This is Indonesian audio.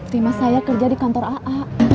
lima saya kerja di kantor aa